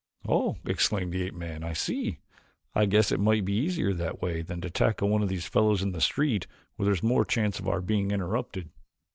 "Oh!" exclaimed the ape man, "I see. I guess it might be easier that way than to tackle one of these fellows in the street where there is more chance of our being interrupted."